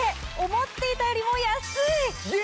思っていたよりも安い！